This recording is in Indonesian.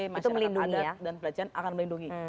masyarakat pada dan pelajaran akan melindungi